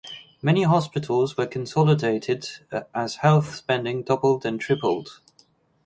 Many hospitals were consolidated, as health spending doubled and tripled.